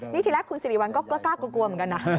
นี่ทีแรกคุณสิริวัลก็กล้ากลัวเหมือนกันนะ